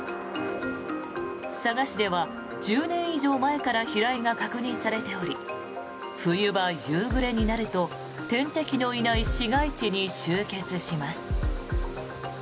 佐賀市では１０年以上前から飛来が確認されており冬場、夕暮れになると天敵のいない市街地に集結します。